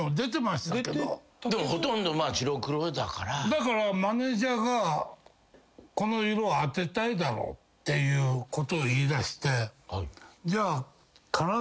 だからマネージャーがこの色当てたいだろうっていうことを言いだして。